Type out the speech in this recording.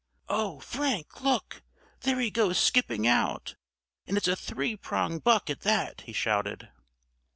"Oh! Frank! look, there he goes skipping out; and it's a three pronged buck, at that!" he shouted.